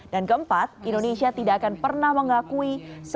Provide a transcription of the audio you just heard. dan keempat indonesia tidak akan pernah mengakui